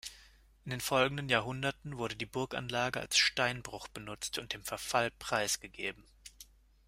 In den folgenden Jahrhunderten wurde die Burganlage als Steinbruch benutzt und dem Verfall preisgegeben.